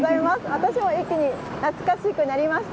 私も一気に懐かしくなりました。